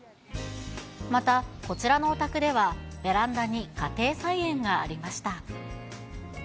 また、こちらのお宅では、ベランダに家庭菜園がありました。